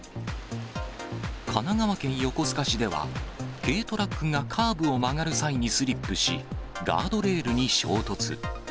神奈川県横須賀市では、軽トラックがカーブを曲がる際にスリップし、ガードレールに衝突。